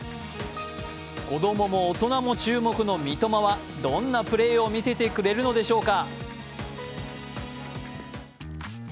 子供も大人も注目の三笘はどんなプレーを見せてくれるのでしょうか。